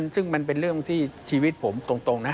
ซึ่งมันเป็นเรื่องที่ชีวิตผมตรงนะ